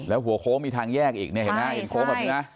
แล้วหัวโค้งมีทางแยกอีกเนี่ยเห็นไหมเห็นโค้งแบบนี้นะ